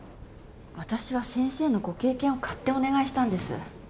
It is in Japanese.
私は先生のご経験を買ってお願いしたんです。